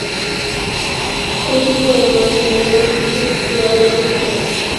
Es hijo de Omar Freire, ex jugador de fútbol.